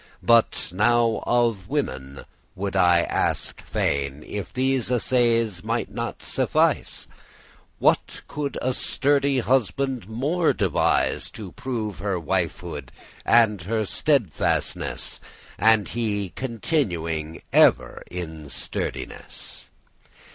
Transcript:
But now of women would I aske fain, If these assayes mighte not suffice? What could a sturdy* husband more devise *stern To prove her wifehood and her steadfastness, And he continuing ev'r in sturdiness?